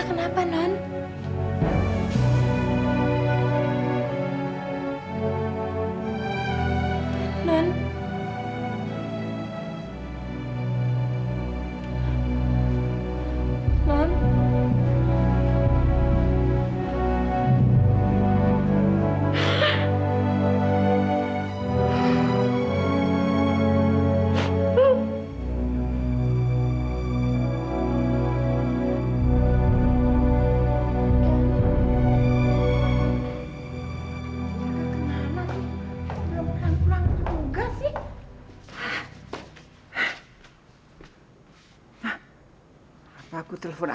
jangan coba coba mendekat